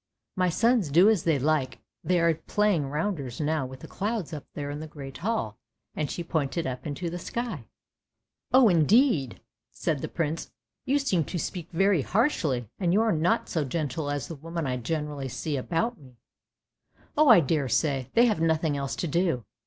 " My sons do as they like, they are playing rounders now with the clouds up there in the great hall," and she pointed up into the sky. " Oh indeed! " said the prince. ' You seem to speak very harshly, and you are not so gentle as the women I generally see about me! " "Oh I daresay, they have nothing else to do!